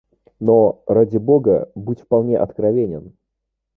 Но, ради Бога, будь вполне откровенен.